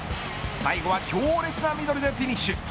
最後は強烈なミドルでフィニッシュ。